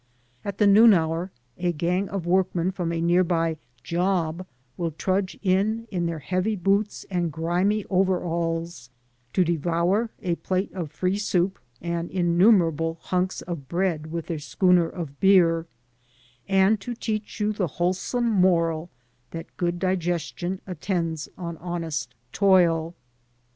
At the noon hour, a gang of workmen from a near by "job" will trudge in in their heavy boots and grimy overalls to devour a plate of free soup and innumerable hunks of bread with their schooner of beer, and to teach you the wholesome moral that good digestion attends on honest toil.